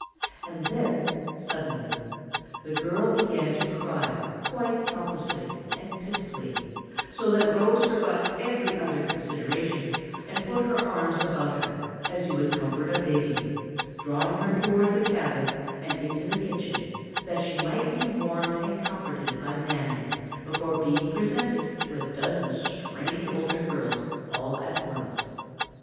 And then, suddenly, the girl began to cry quite helplessly and pitifully, so that Rose forgot every other consideration and put her arms about her as you would comfort a baby, drawing her toward the cabin and into the kitchen that she might be warmed and comforted by Mammy before being presented to a dozen strange older girls all at once.